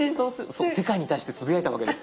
世界に対してつぶやいたわけです。